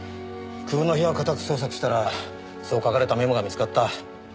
久保の部屋を家宅捜索したらそう書かれたメモが見つかった。